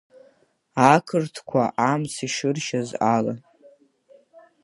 Ақырҭқәа амц ишыржьаз ала.